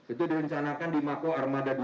itu direncanakan di mako armada dua